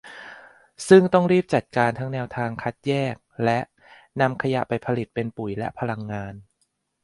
ซึ่งต้องรีบจัดการทั้งแนวทางการคัดแยก และ นำขยะไปผลิตเป็นปุ๋ยและพลังงาน